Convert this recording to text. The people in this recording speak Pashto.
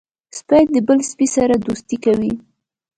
سپي د بل سپي سره دوستي کوي.